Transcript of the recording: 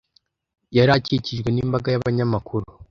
Yari akikijwe n'imbaga y'abanyamakuru.